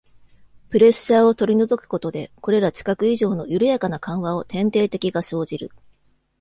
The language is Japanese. プレッシャーを取り除くことで、これら知覚異常のゆるやかな緩和を典型的が生じる。